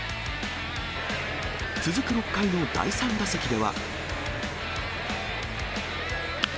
続く６回の第３打席では。